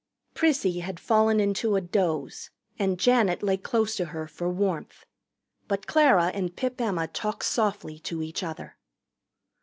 Prissy had fallen into a doze, and Janet lay close to her for warmth. But Clara and Pip Emma talked softly to each other.